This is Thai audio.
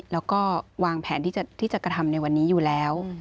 แล้วก็วางแผนที่จะกระทำในวันนี้อยู่แล้ว